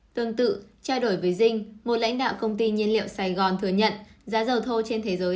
tương tự trao đổi với dinh một lãnh đạo công ty nhiên liệu sài gòn thừa nhận giá dầu thô trên thế giới